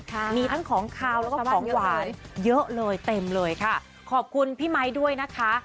มีทั้งของขาวแล้วก็ของหวานเยอะเลยเต็มเลยค่ะขอบคุณพี่ไมค์ด้วยนะคะ